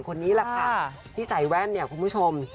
คนนี้แหละค่ะที่ใส่แว่นเนี่ยคุณผู้ชม